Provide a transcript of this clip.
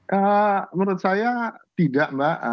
menurut saya tidak mbak